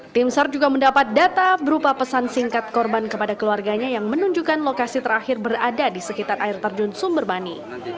tim sar juga mendapat data berupa pesan singkat korban kepada keluarganya yang menunjukkan lokasi terakhir berada di sekitar air terjun sumberbani